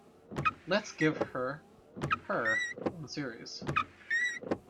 Let's give her her own series.